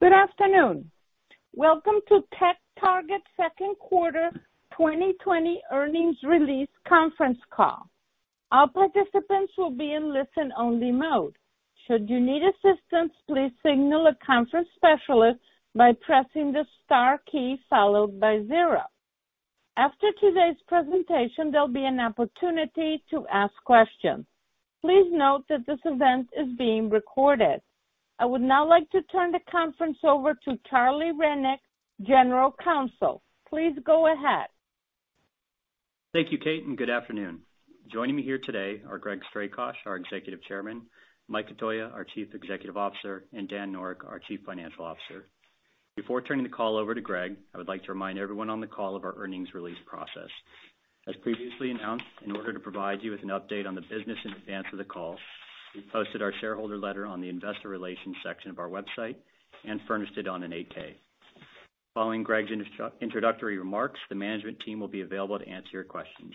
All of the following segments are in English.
Good afternoon. Welcome to TechTarget Second Quarter 2020 Earnings Release Conference Call. All participants will be in listen-only mode. Should you need assistance, please signal a conference specialist by pressing the star key followed by zero. After today's presentation, there'll be an opportunity to ask questions. Please note that this event is being recorded. I would now like to turn the conference over to Charlie Rennick, General Counsel. Please go ahead. Thank you, Kate, and good afternoon. Joining me here today are Greg Strakosch, our Executive Chairman, Mike Cotoia, our Chief Executive Officer, and Dan Noreck, our Chief Financial Officer. Before turning the call over to Greg, I would like to remind everyone on the call of our earnings release process. As previously announced, in order to provide you with an update on the business in advance of the call, we posted our shareholder letter on the Investor Relations section of our website and furnished it on an 8-K. Following Greg's introductory remarks, the management team will be available to answer your questions.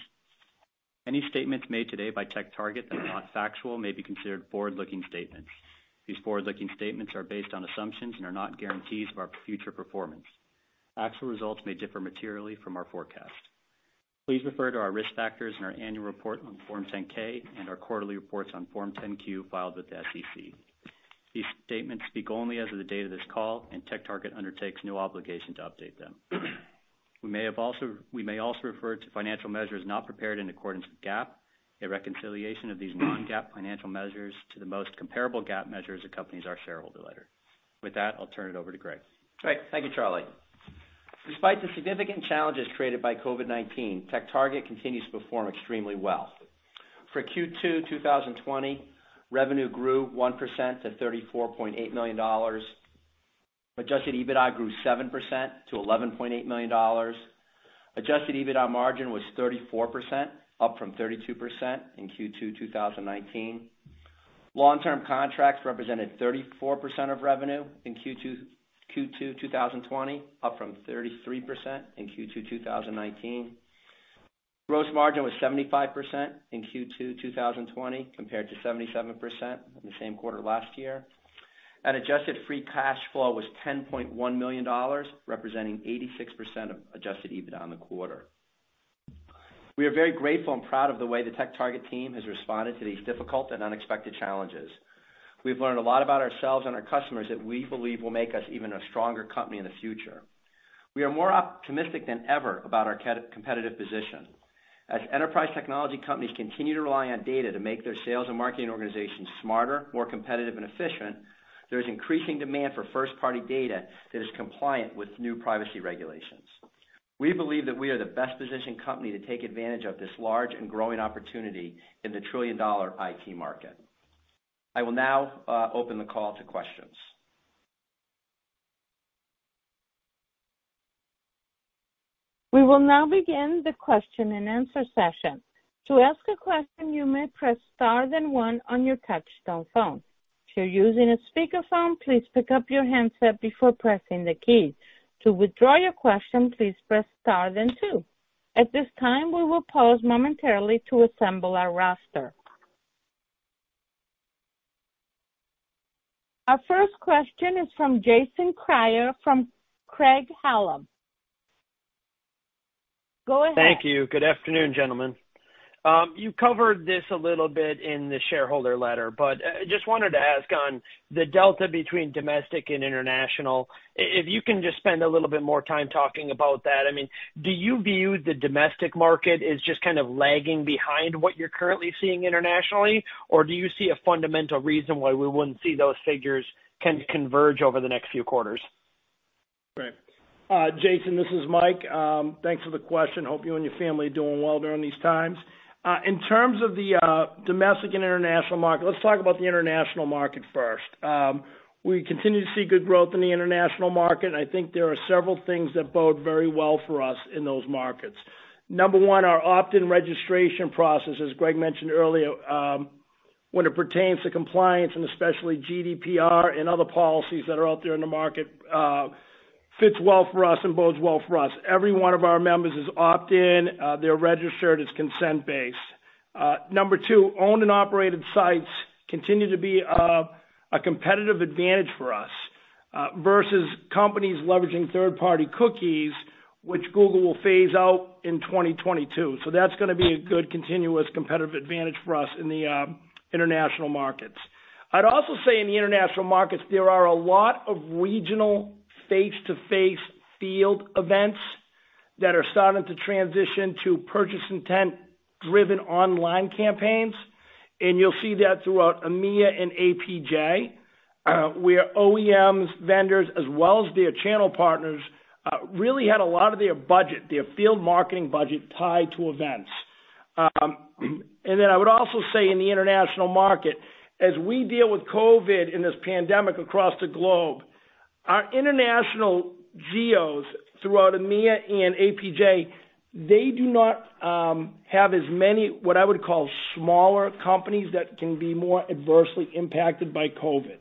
Any statements made today by TechTarget that are not factual may be considered forward-looking statements. These forward-looking statements are based on assumptions and are not guarantees of our future performance. Actual results may differ materially from our forecast. Please refer to our risk factors in our Annual Report on Form 10-K and our Quarterly Reports on Form 10-Q filed with the SEC. These statements speak only as of the date of this call, and TechTarget undertakes no obligation to update them. We may also refer to financial measures not prepared in accordance with GAAP and reconciliation of these non-GAAP financial measures to the most comparable GAAP measures accompanying our shareholder letter. With that, I'll turn it over to Greg. Great. Thank you, Charlie. Despite the significant challenges created by COVID-19, TechTarget continues to perform extremely well. For Q2 2020, revenue grew 1% to $34.8 million. Adjusted EBITDA grew 7% to $11.8 million. Adjusted EBITDA margin was 34%, up from 32% in Q2 2019. Long-term contracts represented 34% of revenue in Q2 2020, up from 33% in Q2 2019. Gross margin was 75% in Q2 2020, compared to 77% in the same quarter last year. And adjusted free cash flow was $10.1 million, representing 86% of adjusted EBITDA in the quarter. We are very grateful and proud of the way the TechTarget team has responded to these difficult and unexpected challenges. We've learned a lot about ourselves and our customers that we believe will make us even a stronger company in the future. We are more optimistic than ever about our competitive position. As enterprise technology companies continue to rely on data to make their sales and marketing organizations smarter, more competitive, and efficient, there is increasing demand for first-party data that is compliant with new privacy regulations. We believe that we are the best-positioned company to take advantage of this large and growing opportunity in the trillion-dollar IT market. I will now open the call to questions. We will now begin the question-and-answer session. To ask a question, you may press star then one on your touch-tone phone. If you're using a speakerphone, please pick up your handset before pressing the key. To withdraw your question, please press star then two. At this time, we will pause momentarily to assemble our roster. Our first question is from Jason Kreyer from Craig-Hallum. Go ahead. Thank you. Good afternoon, gentlemen. You covered this a little bit in the shareholder letter, but I just wanted to ask on the delta between domestic and international. If you can just spend a little bit more time talking about that. I mean, do you view the domestic market as just kind of lagging behind what you're currently seeing internationally, or do you see a fundamental reason why we wouldn't see those figures kind of converge over the next few quarters? Great. Jason, this is Mike. Thanks for the question. Hope you and your family are doing well during these times. In terms of the domestic and international market, let's talk about the international market first. We continue to see good growth in the international market, and I think there are several things that bode very well for us in those markets. Number one, our opt-in registration process, as Greg mentioned earlier, when it pertains to compliance and especially GDPR and other policies that are out there in the market, fits well for us and bodes well for us. Every one of our members is opt-in. They're registered. It's consent-based. Number two, owned and operated sites continue to be a competitive advantage for us versus companies leveraging third-party cookies, which Google will phase out in 2022. So that's going to be a good continuous competitive advantage for us in the international markets. I'd also say in the international markets, there are a lot of regional face-to-face field events that are starting to transition to purchase-intent-driven online campaigns. And you'll see that throughout EMEA and APJ, where OEMs, vendors, as well as their channel partners, really had a lot of their budget, their field marketing budget, tied to events. And then I would also say in the international market, as we deal with COVID and this pandemic across the globe, our international geos throughout EMEA and APJ, they do not have as many what I would call smaller companies that can be more adversely impacted by COVID.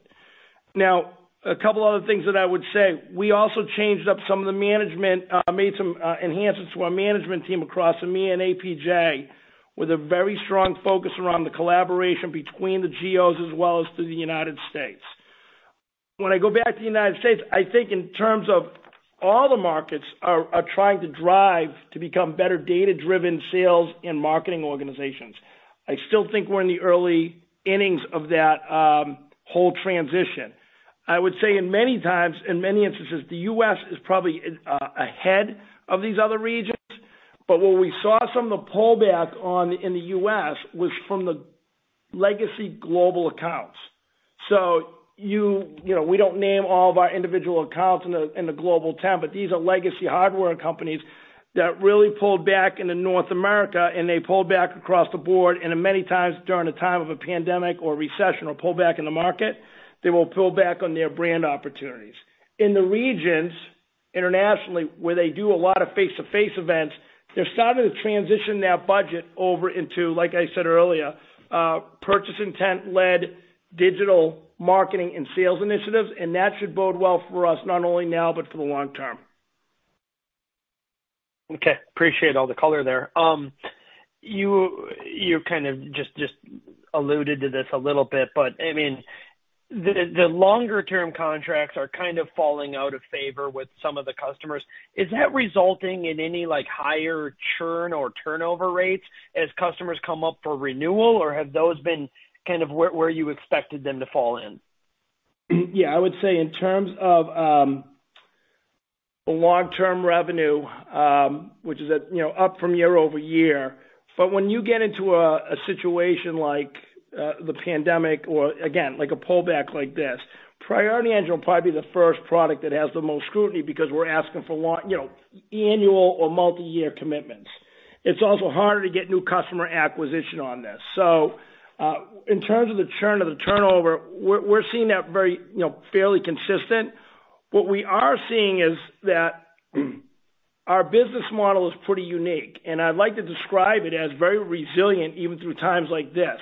Now, a couple of other things that I would say. We also changed up some of the management, made some enhancements to our management team across EMEA and APJ, with a very strong focus around the collaboration between the geos as well as through the United States. When I go back to the United States, I think, in terms of all the markets are trying to drive to become better data-driven sales and marketing organizations. I still think we're in the early innings of that whole transition. I would say in many times, in many instances, the U.S. is probably ahead of these other regions, but what we saw some of the pullback on in the U.S. was from the legacy global accounts, so we don't name all of our individual accounts in the global [accounts], but these are legacy hardware companies that really pulled back in North America, and they pulled back across the board. And many times during a time of a pandemic or a recession or pullback in the market, they will pull back on their brand opportunities. In the regions internationally where they do a lot of face-to-face events, they're starting to transition their budget over into, like I said earlier, purchase-intent-led digital marketing and sales initiatives, and that should bode well for us not only now but for the long term. Okay. Appreciate all the color there. You kind of just alluded to this a little bit, but I mean, the longer-term contracts are kind of falling out of favor with some of the customers. Is that resulting in any higher churn or turnover rates as customers come up for renewal, or have those been kind of where you expected them to fall in? Yeah. I would say in terms of long-term revenue, which is up from year over year, but when you get into a situation like the pandemic or, again, like a pullback like this, Priority Engine will probably be the first product that has the most scrutiny because we're asking for annual or multi-year commitments. It's also harder to get new customer acquisition on this. So in terms of the churn or the turnover, we're seeing that very fairly consistent. What we are seeing is that our business model is pretty unique, and I'd like to describe it as very resilient even through times like this,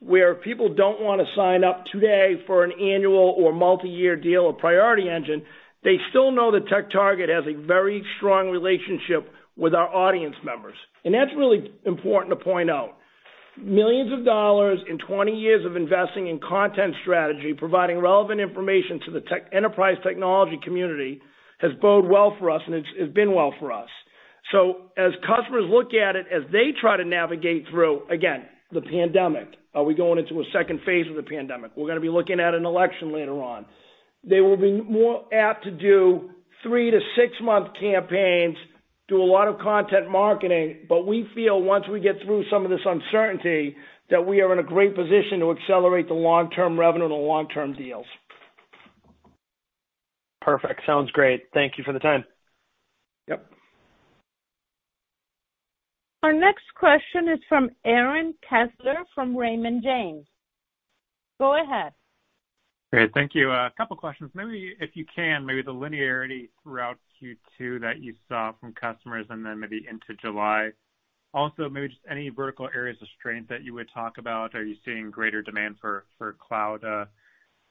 where people don't want to sign up today for an annual or multi-year deal or Priority Engine. They still know that TechTarget has a very strong relationship with our audience members. And that's really important to point out. Millions of dollars in 20 years of investing in content strategy, providing relevant information to the enterprise technology community has boded well for us and has been well for us. So as customers look at it, as they try to navigate through, again, the pandemic, are we going into a second phase of the pandemic? We're going to be looking at an election later on. They will be more apt to do three- to six-month campaigns, do a lot of content marketing, but we feel once we get through some of this uncertainty that we are in a great position to accelerate the long-term revenue and the long-term deals. Perfect. Sounds great. Thank you for the time. Yep. Our next question is from Aaron Kessler from Raymond James. Go ahead. Great. Thank you. A couple of questions. Maybe if you can, maybe the linearity throughout Q2 that you saw from customers and then maybe into July. Also, maybe just any vertical areas of strength that you would talk about. Are you seeing greater demand for cloud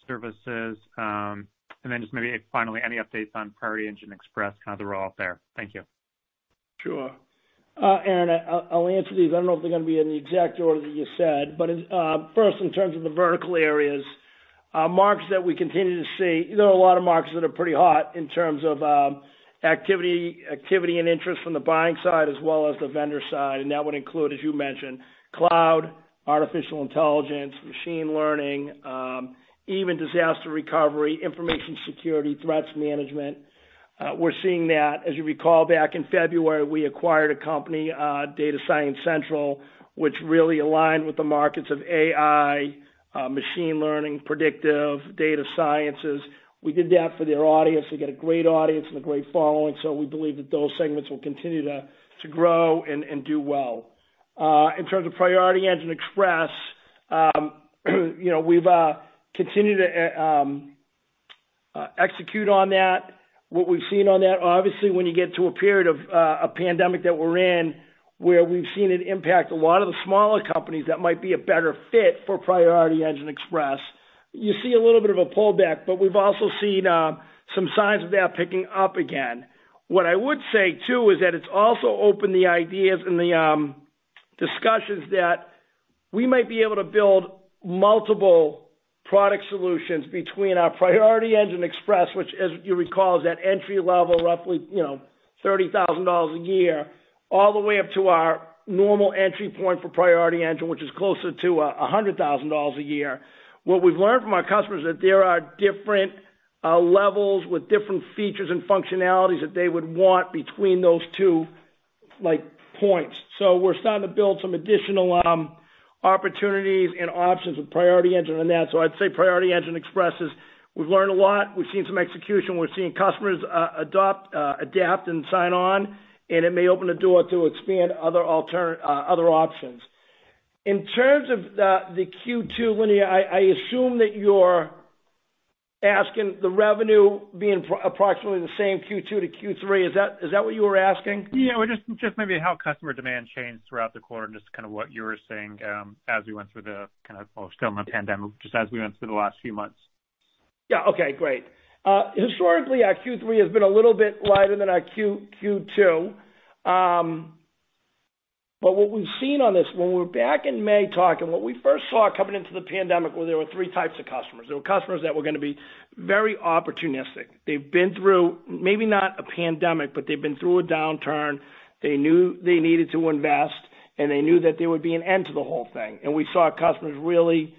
services? And then just maybe finally, any updates on Priority Engine Express, kind of the roll-up there. Thank you. Sure. Aaron, I'll answer these. I don't know if they're going to be in the exact order that you said, but first, in terms of the vertical areas, markets that we continue to see, there are a lot of markets that are pretty hot in terms of activity and interest from the buying side as well as the vendor side. And that would include, as you mentioned, cloud, artificial intelligence, machine learning, even disaster recovery, information security, threat management. We're seeing that, as you recall, back in February, we acquired a company, Data Science Central, which really aligned with the markets of AI, machine learning, predictive data sciences. We did that for their audience. They got a great audience and a great following, so we believe that those segments will continue to grow and do well. In terms of Priority Engine Express, we've continued to execute on that. What we've seen on that, obviously, when you get to a period of a pandemic that we're in where we've seen it impact a lot of the smaller companies that might be a better fit for Priority Engine Express, you see a little bit of a pullback, but we've also seen some signs of that picking up again. What I would say too is that it's also opened the ideas and the discussions that we might be able to build multiple product solutions between our Priority Engine Express, which, as you recall, is that entry-level, roughly $30,000 a year, all the way up to our normal entry point for Priority Engine, which is closer to $100,000 a year. What we've learned from our customers is that there are different levels with different features and functionalities that they would want between those two points. So we're starting to build some additional opportunities and options with Priority Engine and that. So I'd say Priority Engine Express, we've learned a lot. We've seen some execution. We're seeing customers adapt and sign on, and it may open the door to expand other options. In terms of the Q2 linearity, I assume that you're asking the revenue being approximately the same Q2 to Q3. Is that what you were asking? Yeah. Just maybe how customer demand changed throughout the quarter and just kind of what you were saying as we went through the kind of still in the pandemic, just as we went through the last few months? Yeah. Okay. Great. Historically, our Q3 has been a little bit lighter than our Q2. But what we've seen on this, when we were back in May talking, what we first saw coming into the pandemic was there were three types of customers. There were customers that were going to be very opportunistic. They've been through maybe not a pandemic, but they've been through a downturn. They knew they needed to invest, and they knew that there would be an end to the whole thing. And we saw customers really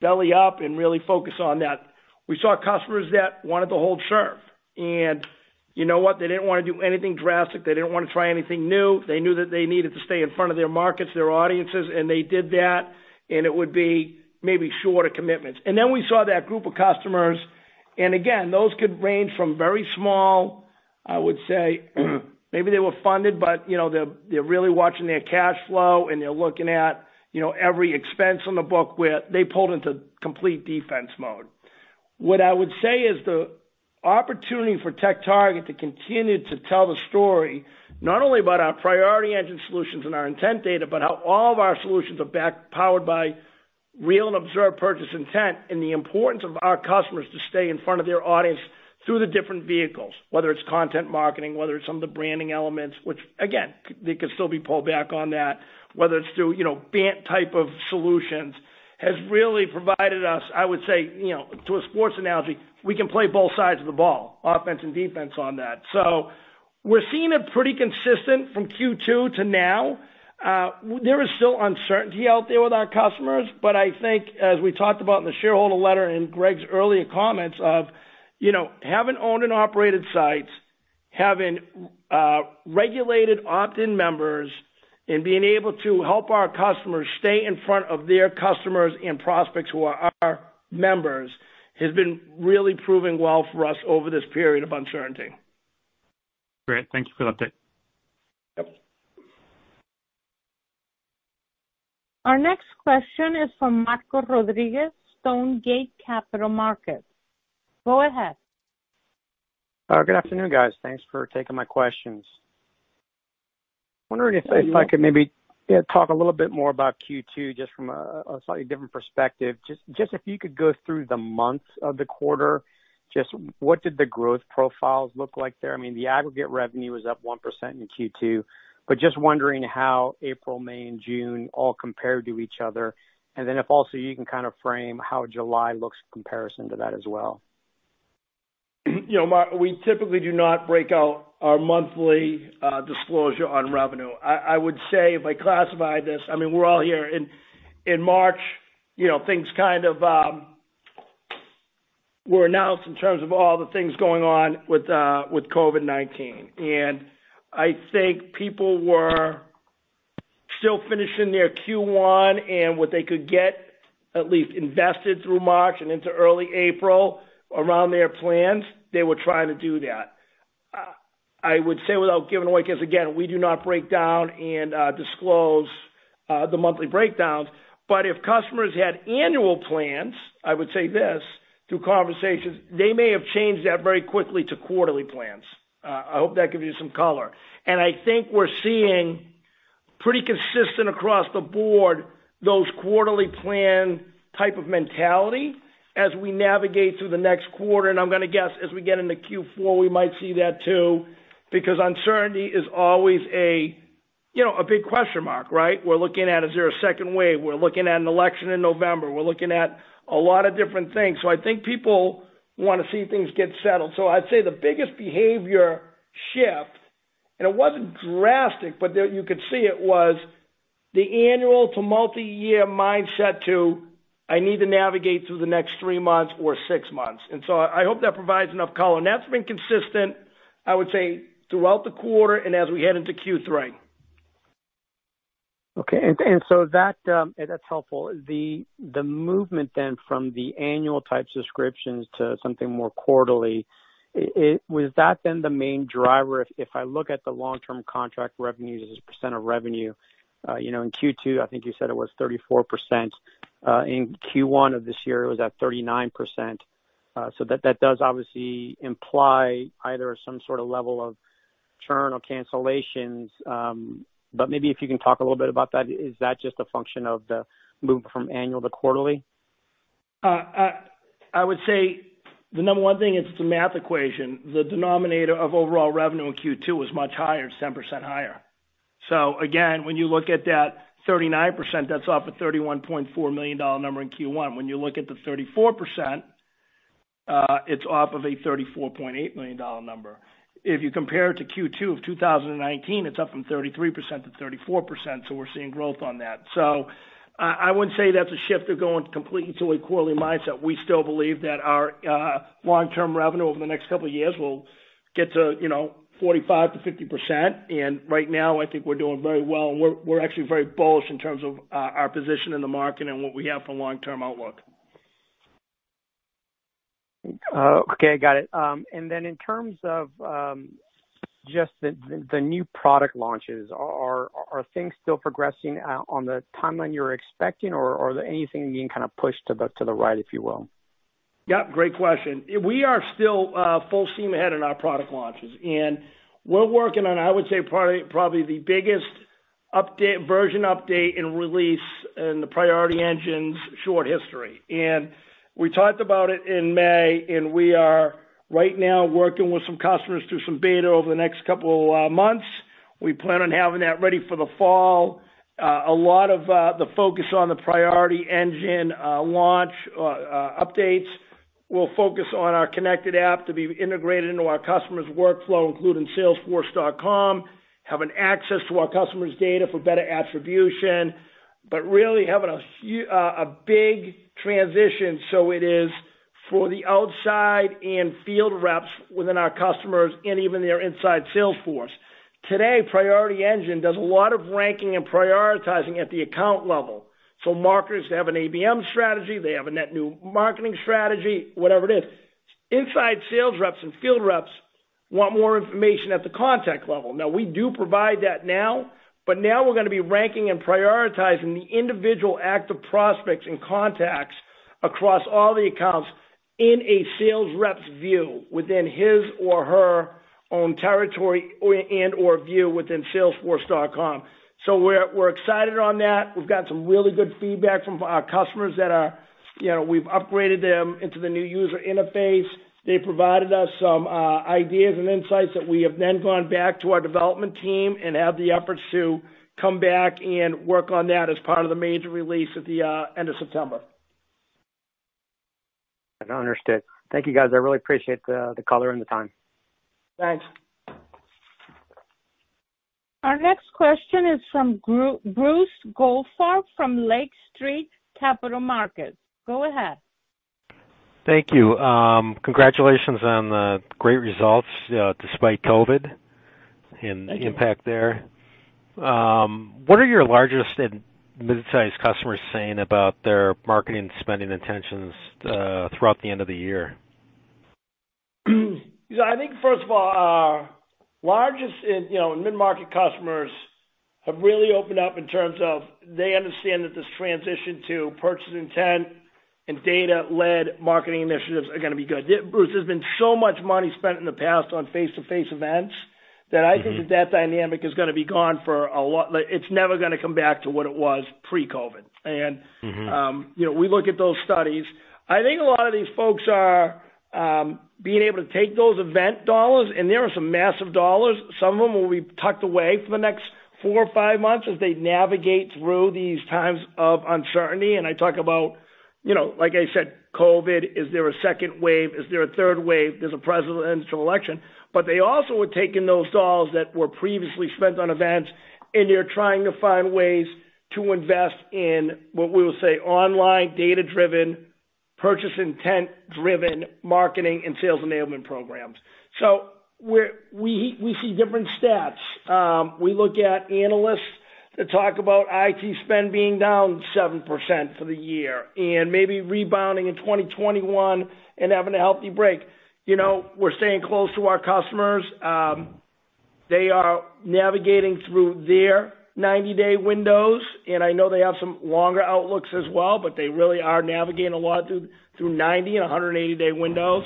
belly up and really focus on that. We saw customers that wanted to hold short. And you know what? They didn't want to do anything drastic. They didn't want to try anything new. They knew that they needed to stay in front of their markets, their audiences, and they did that, and it would be maybe shorter commitments. Then we saw that group of customers, and again, those could range from very small. I would say, maybe they were funded, but they're really watching their cash flow, and they're looking at every expense on the book where they pulled into complete defense mode. What I would say is the opportunity for TechTarget to continue to tell the story, not only about our Priority Engine solutions and our intent data, but how all of our solutions are powered by real and observed purchase intent and the importance of our customers to stay in front of their audience through the different vehicles, whether it's content marketing, whether it's some of the branding elements, which, again, they could still be pulled back on that, whether it's through BANT type of solutions, has really provided us, I would say, to a sports analogy, we can play both sides of the ball, offense and defense on that. So we're seeing it pretty consistent from Q2 to now. There is still uncertainty out there with our customers, but I think, as we talked about in the shareholder letter and Greg's earlier comments of having owned and operated sites, having regulated opt-in members, and being able to help our customers stay in front of their customers and prospects who are our members has been really proving well for us over this period of uncertainty. Great. Thank you for the update. Yep. Our next question is from Marco Rodriguez, Stonegate Capital Markets. Go ahead. Good afternoon, guys. Thanks for taking my questions. Wondering if I could maybe talk a little bit more about Q2 just from a slightly different perspective. Just if you could go through the months of the quarter, just what did the growth profiles look like there? I mean, the aggregate revenue was up 1% in Q2, but just wondering how April, May, and June all compared to each other, and then if also you can kind of frame how July looks in comparison to that as well. We typically do not break out our monthly disclosure on revenue. I would say if I classify this, I mean, we're all here. In March, things kind of were announced in terms of all the things going on with COVID-19, and I think people were still finishing their Q1 and what they could get at least invested through March and into early April around their plans, they were trying to do that. I would say without giving away, because again, we do not break down and disclose the monthly breakdowns, but if customers had annual plans, I would say this through conversations, they may have changed that very quickly to quarterly plans. I hope that gives you some color, and I think we're seeing pretty consistent across the board those quarterly plan type of mentality as we navigate through the next quarter. And I'm going to guess as we get into Q4, we might see that too because uncertainty is always a big question mark, right? We're looking at a second wave. We're looking at an election in November. We're looking at a lot of different things. So I think people want to see things get settled. So I'd say the biggest behavior shift, and it wasn't drastic, but you could see it was the annual to multi-year mindset to, "I need to navigate through the next three months or six months." And so I hope that provides enough color. And that's been consistent, I would say, throughout the quarter and as we head into Q3. Okay. And so that's helpful. The movement then from the annual type subscriptions to something more quarterly, was that then the main driver? If I look at the long-term contract revenues as a percent of revenue, in Q2, I think you said it was 34%. In Q1 of this year, it was at 39%. So that does obviously imply either some sort of level of churn or cancellations. But maybe if you can talk a little bit about that, is that just a function of the move from annual to quarterly? I would say the number one thing is it's a math equation. The denominator of overall revenue in Q2 was much higher, 7% higher. So again, when you look at that 39%, that's off a $31.4 million number in Q1. When you look at the 34%, it's off of a $34.8 million number. If you compare it to Q2 of 2019, it's up from 33%-34%. So we're seeing growth on that. So I wouldn't say that's a shift to going completely to a quarterly mindset. We still believe that our long-term revenue over the next couple of years will get to 45%-50%. And right now, I think we're doing very well. And we're actually very bullish in terms of our position in the market and what we have for long-term outlook. Okay. Got it. And then in terms of just the new product launches, are things still progressing on the timeline you're expecting, or are there anything being kind of pushed to the right, if you will? Yep. Great question. We are still full steam ahead in our product launches, and we're working on, I would say, probably the biggest version update and release in the Priority Engine's short history, and we talked about it in May, and we are right now working with some customers through some beta over the next couple of months. We plan on having that ready for the fall. A lot of the focus on the Priority Engine launch updates will focus on our connected app to be integrated into our customers' workflow, including Salesforce.com, having access to our customers' data for better attribution, but really having a big transition so it is for the outside and field reps within our customers and even their inside sales force. Today, Priority Engine does a lot of ranking and prioritizing at the account level, so marketers have an ABM strategy. They have a net new marketing strategy, whatever it is. Inside sales reps and field reps want more information at the contact level. Now, we do provide that now, but now we're going to be ranking and prioritizing the individual active prospects and contacts across all the accounts in a sales rep's view within his or her own territory and/or view within Salesforce.com. So we're excited on that. We've gotten some really good feedback from our customers that we've upgraded them into the new user interface. They provided us some ideas and insights that we have then gone back to our development team and have the efforts to come back and work on that as part of the major release at the end of September. Understood. Thank you, guys. I really appreciate the color and the time. Thanks. Our next question is from Bruce Goldfarb from Lake Street Capital Markets. Go ahead. Thank you. Congratulations on the great results despite COVID and the impact there. What are your largest and mid-sized customers saying about their marketing spending intentions throughout the end of the year? I think, first of all, largest and mid-market customers have really opened up in terms of they understand that this transition to purchase intent and data-led marketing initiatives are going to be good. Bruce, there's been so much money spent in the past on face-to-face events that I think that dynamic is going to be gone for a lot. It's never going to come back to what it was pre-COVID, and we look at those studies. I think a lot of these folks are being able to take those event dollars, and there are some massive dollars. Some of them will be tucked away for the next four or five months as they navigate through these times of uncertainty, and I talk about, like I said, COVID. Is there a second wave? Is there a third wave? There's a presidential election. But they also were taking those dollars that were previously spent on events, and they're trying to find ways to invest in what we will say online data-driven, purchase intent-driven marketing and sales enablement programs. So we see different stats. We look at analysts that talk about IT spend being down 7% for the year and maybe rebounding in 2021 and having a healthy break. We're staying close to our customers. They are navigating through their 90-day windows. And I know they have some longer outlooks as well, but they really are navigating a lot through 90 and 180-day windows.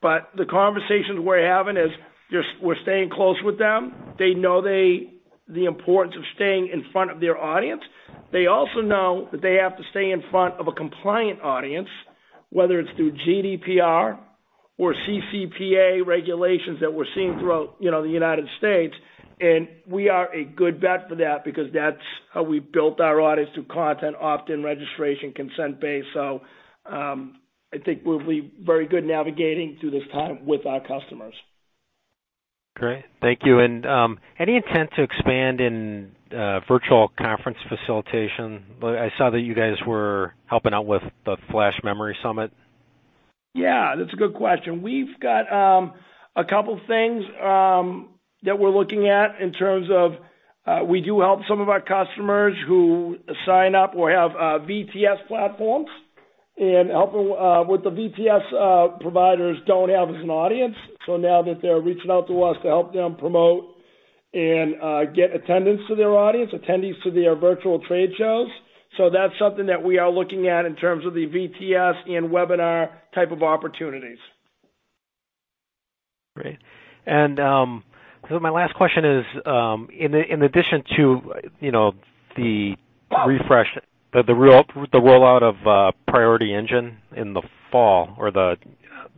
But the conversations we're having is we're staying close with them. They know the importance of staying in front of their audience. They also know that they have to stay in front of a compliant audience, whether it's through GDPR or CCPA regulations that we're seeing throughout the United States. We are a good bet for that because that's how we built our audience through content, opt-in registration, consent-based. I think we'll be very good navigating through this time with our customers. Great. Thank you. And any intent to expand in virtual conference facilitation? I saw that you guys were helping out with the Flash Memory Summit. Yeah. That's a good question. We've got a couple of things that we're looking at in terms of we do help some of our customers who sign up or have VTS platforms and helping with the VTS providers don't have as an audience. So now that they're reaching out to us to help them promote and get attendance to their audience, attendees to their virtual trade shows. So that's something that we are looking at in terms of the VTS and webinar type of opportunities. Great, and so my last question is, in addition to the refresh, the rollout of Priority Engine in the fall or the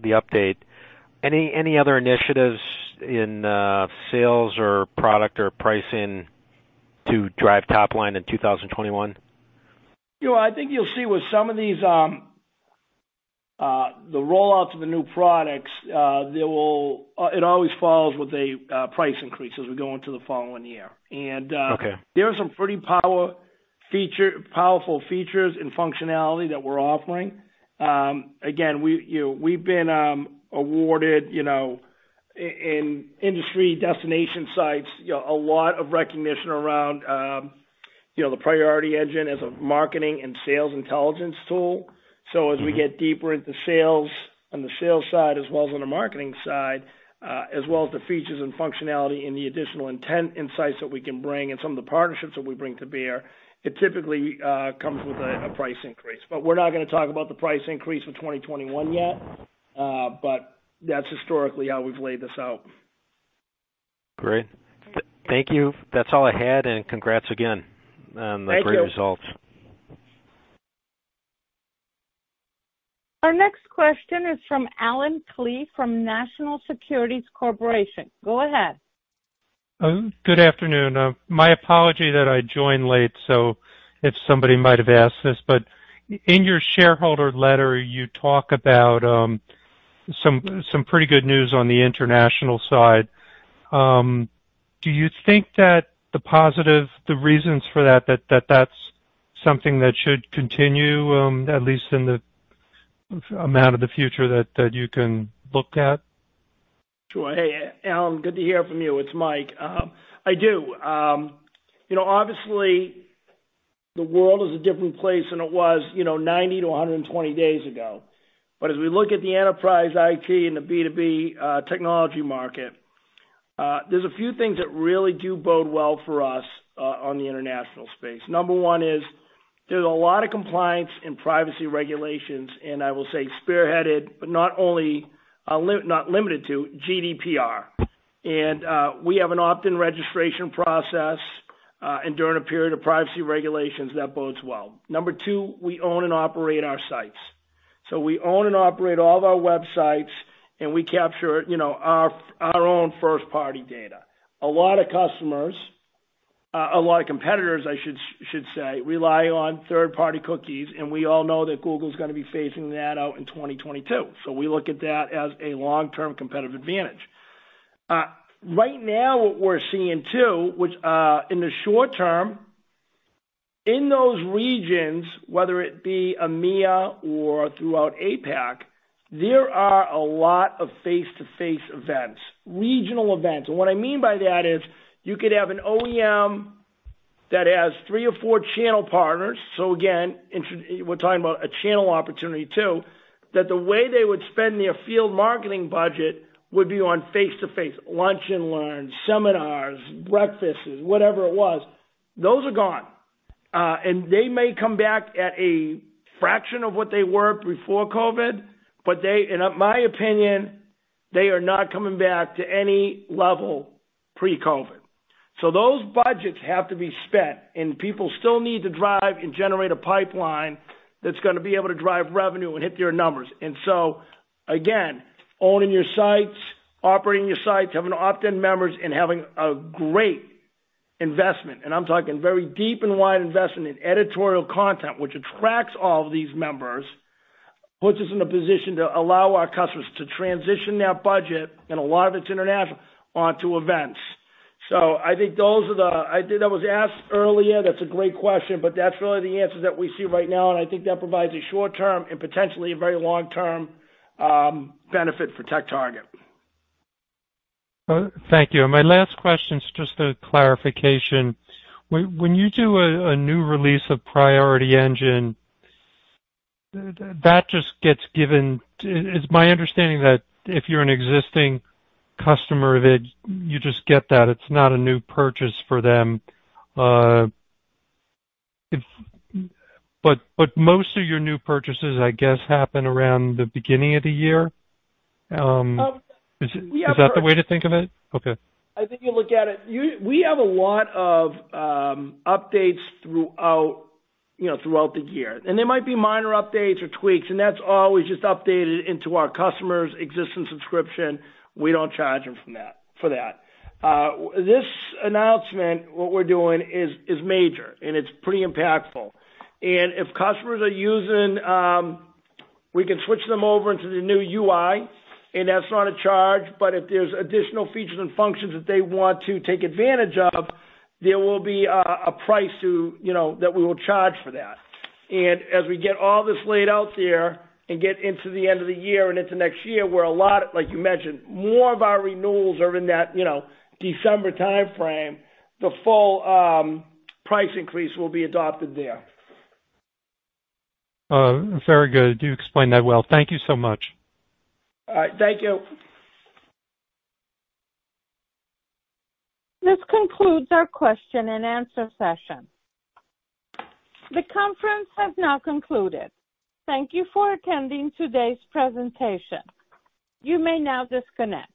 update, any other initiatives in sales or product or pricing to drive top line in 2021? I think you'll see with some of these the rollouts of the new products, it always follows with a price increase as we go into the following year, and there are some pretty powerful features and functionality that we're offering. Again, we've been awarded in industry destination sites a lot of recognition around the Priority Engine as a marketing and sales intelligence tool, so as we get deeper into sales on the sales side as well as on the marketing side, as well as the features and functionality and the additional intent insights that we can bring and some of the partnerships that we bring to bear, it typically comes with a price increase, but we're not going to talk about the price increase for 2021 yet, but that's historically how we've laid this out. Great. Thank you. That's all I had, and congrats again on the great results. Thank you. Our next question is from Allen Klee from National Securities Corporation. Go ahead. Good afternoon. My apology that I joined late, so if somebody might have asked this. But in your shareholder letter, you talk about some pretty good news on the international side. Do you think that the positive, the reasons for that, that that's something that should continue, at least in the amount of the future that you can look at? Sure. Hey, Allen, good to hear from you. It's Mike. I do. Obviously, the world is a different place than it was 90-120 days ago. But as we look at the enterprise IT and the B2B Technology market, there's a few things that really do bode well for us on the international space. Number one is there's a lot of compliance and privacy regulations, and I will say spearheaded, but not only not limited to GDPR. And we have an opt-in registration process, and during a period of privacy regulations, that bodes well. Number two, we own and operate our sites. So we own and operate all of our websites, and we capture our own first-party data. A lot of customers, a lot of competitors, I should say, rely on third-party cookies, and we all know that Google is going to be phasing that out in 2022. So we look at that as a long-term competitive advantage. Right now, what we're seeing too, in the short term, in those regions, whether it be EMEA or throughout APAC, there are a lot of face-to-face events, regional events. And what I mean by that is you could have an OEM that has three or four channel partners. So again, we're talking about a channel opportunity too, that the way they would spend their field marketing budget would be on face-to-face, lunch and learn, seminars, breakfasts, whatever it was. Those are gone. And they may come back at a fraction of what they were before COVID, but in my opinion, they are not coming back to any level pre-COVID. So those budgets have to be spent, and people still need to drive and generate a pipeline that's going to be able to drive revenue and hit their numbers. And so again, owning your sites, operating your sites, having opt-in members, and having a great investment. And I'm talking very deep and wide investment in editorial content, which attracts all of these members, puts us in a position to allow our customers to transition their budget, and a lot of it's international, onto events. So I think those are the. I was asked earlier, that's a great question, but that's really the answers that we see right now. And I think that provides a short-term and potentially a very long-term benefit for TechTarget. Thank you. And my last question is just a clarification. When you do a new release of Priority Engine, that just gets given. It's my understanding that if you're an existing customer, that you just get that. It's not a new purchase for them. But most of your new purchases, I guess, happen around the beginning of the year. Is that the way to think of it? Okay. I think you look at it, we have a lot of updates throughout the year, and there might be minor updates or tweaks, and that's always just updated into our customers' existing subscription. We don't charge them for that. This announcement, what we're doing is major, and it's pretty impactful, and if customers are using, we can switch them over into the new UI, and that's not a charge, but if there's additional features and functions that they want to take advantage of, there will be a price that we will charge for that, and as we get all this laid out there and get into the end of the year and into next year, where a lot of, like you mentioned, more of our renewals are in that December timeframe, the full price increase will be adopted there. Very good. You explained that well. Thank you so much. All right. Thank you. This concludes our question and answer session. The conference has now concluded. Thank you for attending today's presentation. You may now disconnect.